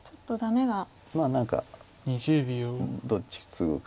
まあ何かどっちツグか。